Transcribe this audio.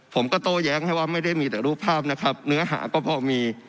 โต้แย้งให้ว่าไม่ได้มีแต่รูปภาพนะครับเนื้อหาก็พอมี